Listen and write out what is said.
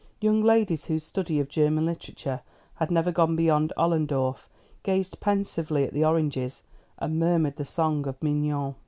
Young ladies whose study of German literature had never gone beyond Ollendorff gazed pensively at the oranges, and murmured the song of Mignon.